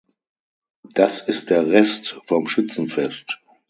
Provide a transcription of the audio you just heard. Das ist der Rest vom Schützenfest.